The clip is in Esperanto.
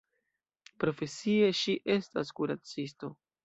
Profesie ŝi estas kuracisto.